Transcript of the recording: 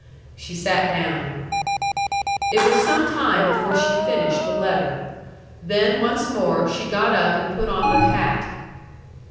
She sat down. It was some time before she finished the letter. Then once more she got up and put on her hat.